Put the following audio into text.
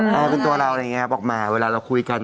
เอาเป็นตัวเราอะไรอย่างนี้ครับบอกมาเวลาเราคุยกัน